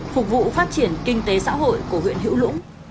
phục vụ phát triển kinh tế xã hội của huyện hữu lũng